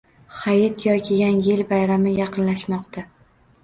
Hayit yoki yangi yil bayrami yaqinlashmoqda